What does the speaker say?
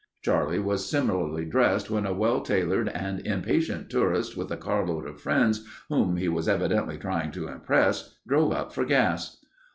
Charlie was similarly dressed when a well tailored and impatient tourist with a carload of friends whom he was evidently trying to impress, drove up for gas.